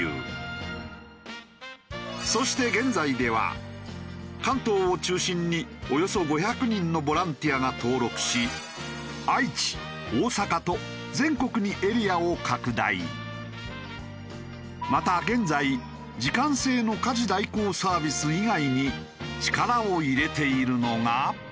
そして現在では関東を中心におよそ５００人のボランティアが登録し愛知大阪とまた現在時間制の家事代行サービス以外に力を入れているのが。